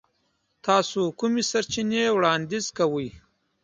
تاسو کومې سرچینې وړاندیز کوئ؟